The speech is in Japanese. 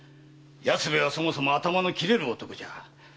安兵衛はそもそも頭の切れる男じゃ。